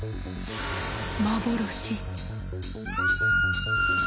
幻。